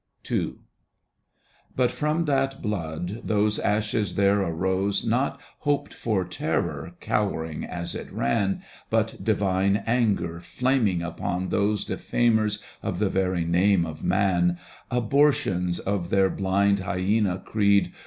Digitized by Google LOUVAIN 19 n But from that blood, those ashes there arose Not hoped for terror cowering as it ran, But divine anger flaming upon those Defamers of the very name of man, Abortions of their blind hyena creed.